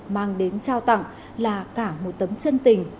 mang đến trao tặng là cả một tấm chân tình